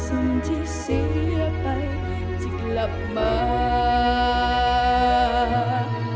สิ่งที่เสียไปที่กลับมา